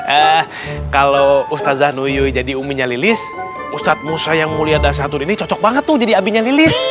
eh kalau ustazah nuyu jadi uminya lilis ustadz musa yang mulia dan syatul ini cocok banget tuh jadi abinya lilis